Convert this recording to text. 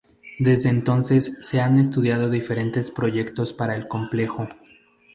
Desde entonces se han estudiado diferentes proyectos para el complejo.